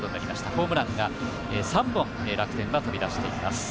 ホームランが３本、楽天は飛び出しています。